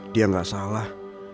dia gak salah